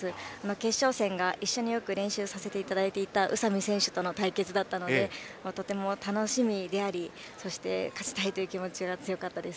決勝戦が一緒によく練習させていただいていた宇佐美選手との対決だったのでとても楽しみでありそして、勝ちたいという気持ちが強かったです。